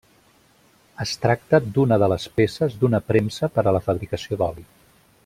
Es tracta d'una de les peces d'una premsa per a la fabricació d'oli.